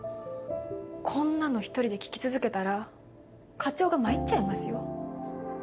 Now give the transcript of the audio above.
こんなの１人で聞き続けたら課長が参っちゃいますよ。